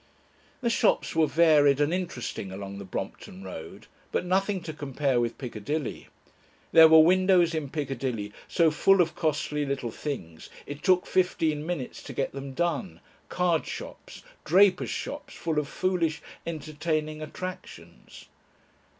The shops were varied and interesting along the Brompton Road, but nothing to compare with Piccadilly. There were windows in Piccadilly so full of costly little things, it took fifteen minutes to get them done, card shops, drapers' shops full of foolish, entertaining attractions.